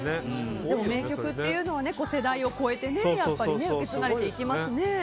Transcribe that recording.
名曲っていうのは世代を超えて受け継がれていきますね。